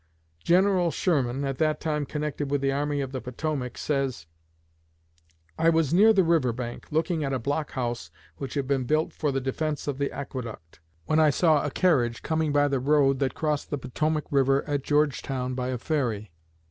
General Sherman, at that time connected with the Army of the Potomac, says: "I was near the river bank, looking at a block house which had been built for the defense of the aqueduct, when I saw a carriage coming by the road that crossed the Potomac river at Georgetown by a ferry.